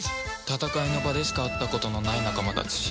戦いの場でしか会ったことのない仲間たち